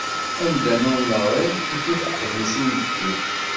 Amdan ur neɣri, tif-it teqbuct uyefki.